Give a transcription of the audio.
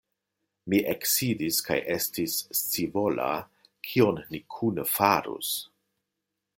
Mi eksidis kaj estis scivola, kion ni kune farus.